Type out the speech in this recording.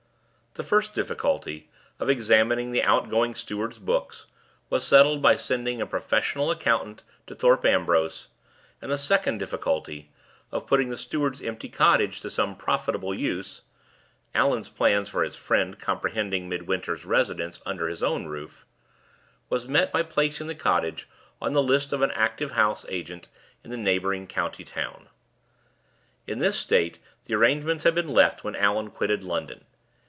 The first difficulty, of examining the outgoing steward's books, was settled by sending a professional accountant to Thorpe Ambrose; and the second difficulty, of putting the steward's empty cottage to some profitable use (Allan's plans for his friend comprehending Midwinter's residence under his own roof), was met by placing the cottage on the list of an active house agent in the neighboring county town. In this state the arrangements had been left when Allan quitted London.